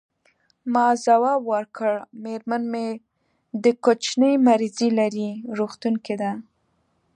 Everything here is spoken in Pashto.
ما ځواب ورکړ: میرمن مې د کوچني مریضي لري، روغتون کې ده.